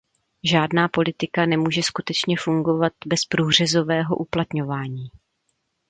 Žádná politika nemůže skutečně fungovat bez průřezového uplatňování.